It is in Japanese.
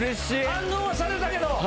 反応はされたけど。